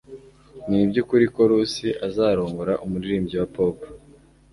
Nibyukuri ko Lucy azarongora umuririmbyi wa pop